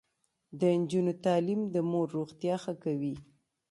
د نجونو تعلیم د مور روغتیا ښه کوي.